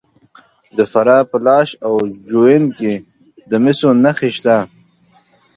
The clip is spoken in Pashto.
د فراه په لاش او جوین کې د مسو نښې شته.